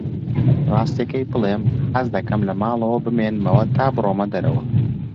ڕاستییەکەی بڵێم، حەز دەکەم لە ماڵەوە بمێنمەوە تا بڕۆمە دەرەوە.